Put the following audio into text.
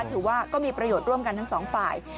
ถือว่าก็มีประโยชน์ร่วมกันทั้งสองฝ่าย